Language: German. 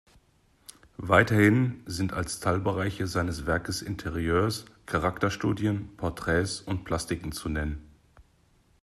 Weiterhin sind als Teilbereiche seines Werkes Interieurs, Charakterstudien, Porträts und Plastiken zu nennen.